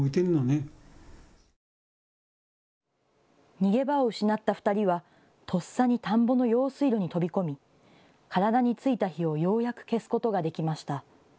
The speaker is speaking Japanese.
逃げ場を失った２人は、とっさに田んぼの用水路に飛び込み体についた火をようやく消すことができました。